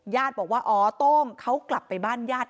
ญาติบอกว่าอ๋อโต้งเขากลับไปบ้านญาติ